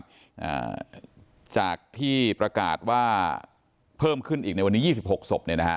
อ่าจากที่ประกาศว่าเพิ่มขึ้นอีกในวันนี้ยี่สิบหกศพเนี่ยนะฮะ